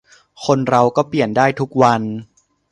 คนเราก็เปลี่ยนได้ทุกวัน